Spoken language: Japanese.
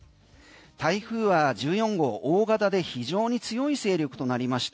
台風は１４号大型で非常に強い勢力となりました。